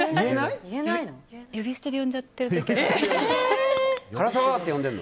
呼び捨てで呼んじゃってる時ある。